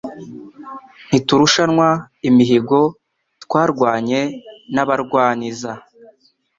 Ntiturushanwa imihigo Twarwanye n’abarwaniza